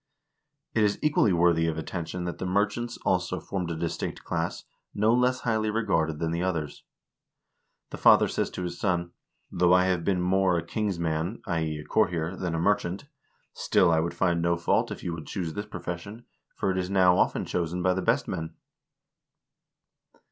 It is equally worthy of attention that the merchants, also, formed a distinct class, no less highly regarded than the others. The father says to his son : "Though I have been more a king's man (i.e. a courtier) than a merchant, still I would find no fault if you would choose this pro fession, for it is now often chosen by the best men."